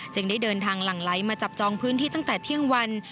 ได้เดินทางหลั่งไหลมาจับจองพื้นที่ตั้งแต่เที่ยงวัน